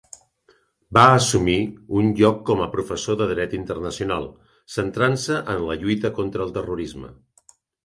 Va assumir un lloc com a professor de dret internacional, centrant-se en la lluita contra el terrorisme.